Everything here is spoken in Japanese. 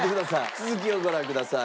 続きをご覧ください。